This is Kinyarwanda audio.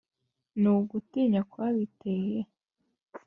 ni ugutinya kwabiteye?